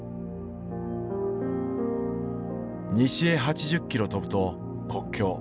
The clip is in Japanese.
西へ８０キロ飛ぶと国境。